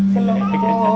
selalu terpikir sah